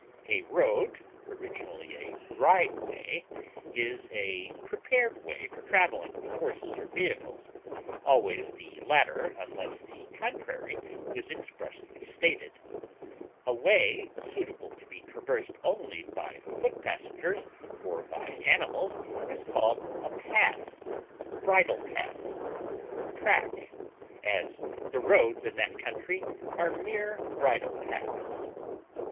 A road (originally a ride_way_) is a prepared way for traveling with horses or vehicles, always the latter unless the contrary is expressly stated; a way suitable to be traversed only by foot passengers or by animals is called a path, bridle path, or track; as, the roads in that country are mere bridle paths.